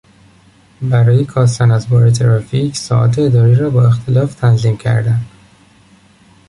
برای کاستن از بارترافیک ساعات اداری را با اختلاف تنظیم کردن